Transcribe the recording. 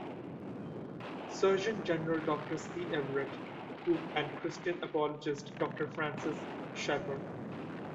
Surgeon General Doctor C. Everett Koop and Christian apologist Doctor Francis Schaeffer.